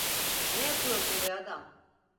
Ne yapıyorsun be adam?